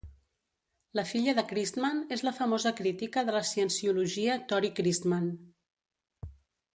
La filla de Christman és la famosa crítica de la cienciologia Tory Christman.